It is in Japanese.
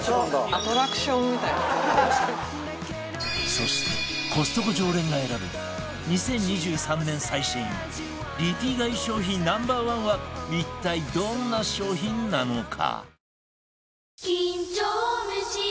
そしてコストコ常連が選ぶ２０２３年最新リピ買い商品 Ｎｏ．１ は一体どんな商品なのか？